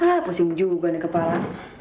ah pusing juga nih kepala